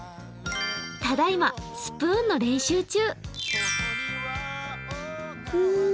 ただいま、スプーンの練習中。